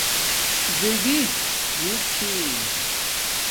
ژَئ گی بوت چھی